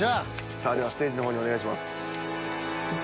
さあではステージの方にお願いします。